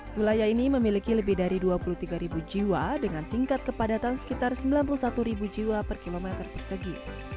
wilayah ini memiliki lebih dari dua puluh tiga jiwa dengan tingkat kepadatan sekitar sembilan puluh satu jiwa per kilometer persegi